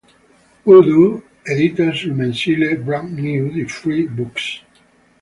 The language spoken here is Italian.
Voodoo”, edita sul mensile "Brand New" di Free Books.